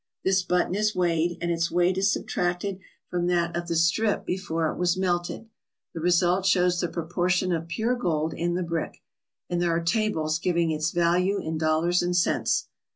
This button is weighed and its weight is subtracted from that of the strip before it was melted. The result shows the proportion of pure gold in the brick; and there are tables giving its value in dollars and cents.